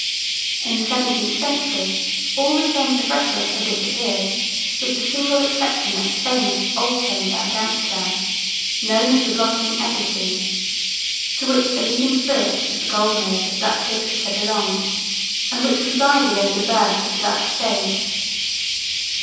In the 17th century all the Chambers of Rhetoric had disappeared with the single exception of the famous "Old Chamber" at Amsterdam, known as The Blossoming Eglantine, to which the leading spirits of the Golden Age of Dutch Literature belonged and which presided over the birth of the Dutch Stage.